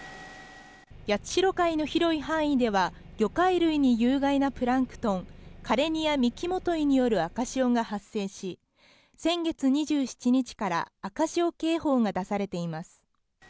八代海の広い範囲では、魚介類に有害なプランクトン、カレニアミキモトイによる赤潮が発生し、先月２７日から赤潮警報が出されています。